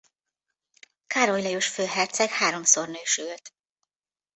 Károly Lajos főherceg háromszor nősült.